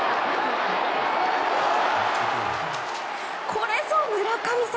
これぞ村神様！